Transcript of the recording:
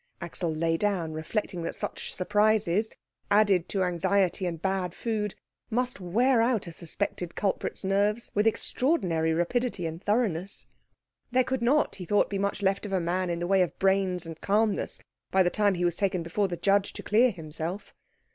Axel lay down, reflecting that such surprises, added to anxiety and bad food, must wear out a suspected culprit's nerves with extraordinary rapidity and thoroughness. There could not, he thought, be much left of a man in the way of brains and calmness by the time he was taken before the judge to clear himself.